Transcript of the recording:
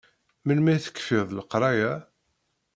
Melmi i tekfiḍ leqraya?